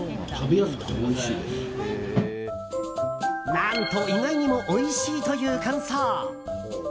何と、意外にもおいしいという感想。